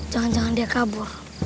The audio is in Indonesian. jangan jangan dia kabur